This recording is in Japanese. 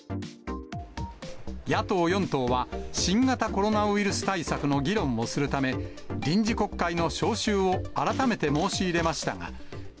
野党４党は、新型コロナウイルス対策の議論をするため、臨時国会の召集を改めて申し入れましたが。